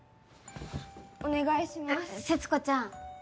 節子ちゃん。